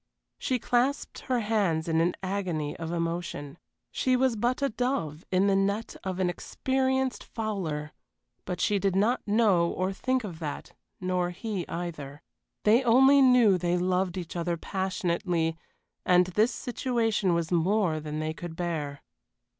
She clasped her hands in an agony of emotion. She was but a dove in the net of an experienced fowler, but she did not know or think of that, nor he either. They only knew they loved each other passionately, and this situation was more than they could bear.